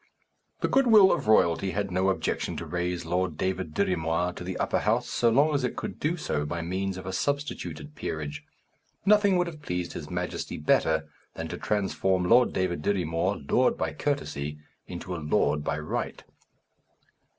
The goodwill of royalty had no objection to raise Lord David Dirry Moir to the Upper House so long as it could do so by means of a substituted peerage. Nothing would have pleased his majesty better than to transform Lord David Dirry Moir, lord by courtesy, into a lord by right.